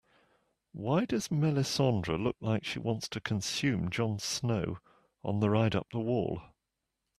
Why does Melissandre look like she wants to consume Jon Snow on the ride up the wall?